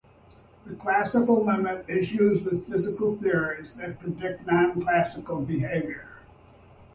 The classical limit is used with physical theories that predict non-classical behavior.